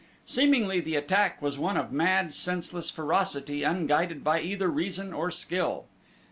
Seemingly the attack was one of mad, senseless ferocity unguided by either reason or skill.